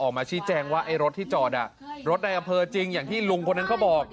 ออกมาชี้แจงว่าไอ้รถที่จอดรถในอำเภอจริงอย่างที่ลุงคนนั้นเขาบอก